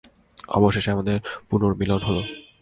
অবশেষে আমাদের পুণর্মিলন হলো।